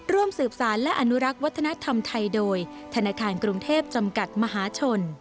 ร่วมสืบสารและอนุรักษ์วัฒนธรรมไทยโดยธนาคารกรุงเทพจำกัดมหาชน